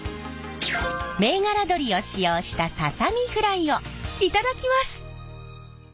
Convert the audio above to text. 銘柄鶏を使用したささみフライを頂きます。